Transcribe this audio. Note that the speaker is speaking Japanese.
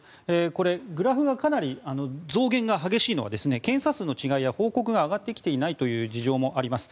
これ、グラフがかなり増減が激しいのは検査数の違いや報告が上がってきていないという事情もあります。